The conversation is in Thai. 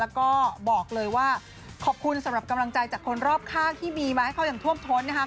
ก็บอกเลยว่าขอบคุณสำหรับกำลังใจจากคนรอบข้างที่มีมาให้เขาอย่างท่วมท้นนะครับ